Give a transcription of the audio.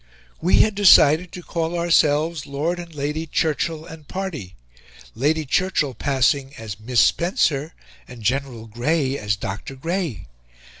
"We had decided to call ourselves LORD AND LADY CHURCHILL AND AND PARTY Lady Churchill passing as MISS SPENCER and General Grey as DR. GREY!